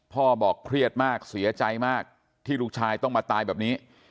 บอกเครียดมากเสียใจมากที่ลูกชายต้องมาตายแบบนี้